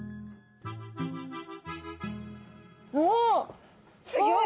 おおすギョい！